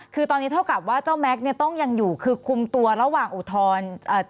คือตอนนี้เท่ากับว่าเจ้าแม็กซ์เนี่ยต้องยังอยู่คือคุมตัวระหว่างอุทธรณ์